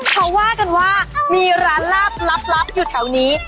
เขาว่ากันว่ามีร้านลาบลับอยู่แถวนี้